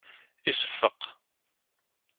Iseffeq.